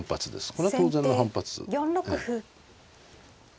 これは当然の反発。